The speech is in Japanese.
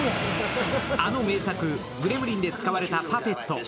あの名作「グレムリン」で使われたパペット。